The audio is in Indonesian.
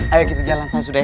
ayo kita jalan saya sudah